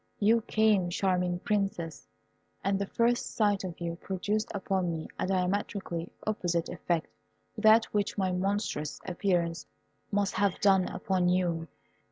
You came, charming Princess, and the first sight of you produced upon me a diametrically opposite effect to that which my monstrous appearance must have done upon you.